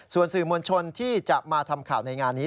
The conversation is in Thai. ส่วนสื่อมวลชนที่จะมาทำข่าวในงานนี้